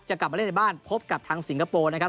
กลับมาเล่นในบ้านพบกับทางสิงคโปร์นะครับ